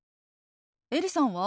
エリさんは？